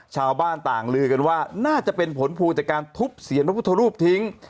ชาวบ้านต่างลือกันว่าน่าจะเป็นผลพวงจากการทุบเสียงพระพุทธรูปทิ้ง